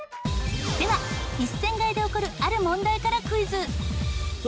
では１船買いで起こるある問題からクイズ。